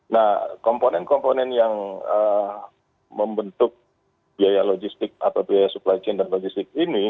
nah komponen komponen yang membentuk biaya logistik atau biaya supply chain dan logistik ini